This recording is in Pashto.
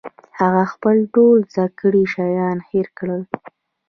هغه خپل ټول زده کړي شیان هېر کړل